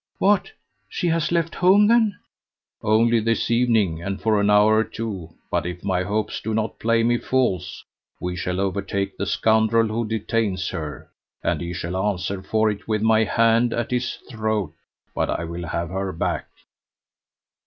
"What! She has left home then?" "Only this evening, and for an hour or two; but if my hopes do not play me false we shall overtake the scoundrel who detains her, and he shall answer for it with my hand at his throat but I will have her back."